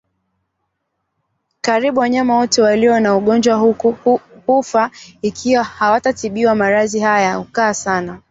Karibu wanyama wote walio na ugonjwa huu hufa ikiwa hawatatibiwa Maradhi haya hukaa sana